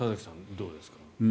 どうですか。